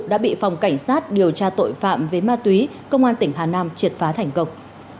đã bị phòng cảnh sát điều tra tội phạm về ma túy công an tỉnh hà nam triệt phá thành công